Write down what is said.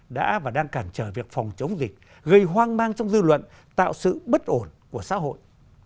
đã và đang cản trở việc phòng chống dịch gây hoang mang trong dư luận tạo sự bất ổn của xã hội